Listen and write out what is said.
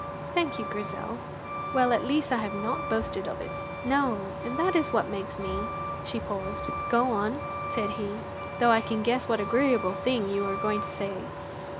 "Thank you, Grizel! Well, at least I have not boasted of it." "No, and that is what makes me " She paused. "Go on," said he, "though I can guess what agreeable thing you were going to say."